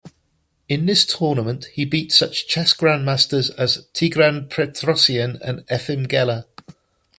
In this tournament he beat such chess grandmasters as Tigran Petrosian and Efim Geller.